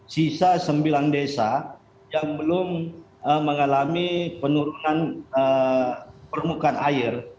sisa sembilan desa yang belum mengalami penurunan permukaan air